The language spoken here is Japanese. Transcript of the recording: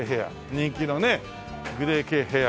人気のねグレー系ヘア。